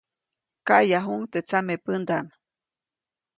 Kaʼyajuʼuŋ teʼ tsamepändaʼm.